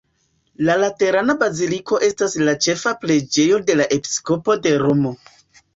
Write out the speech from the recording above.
La Laterana baziliko estas la ĉefa preĝejo de la episkopo de Romo.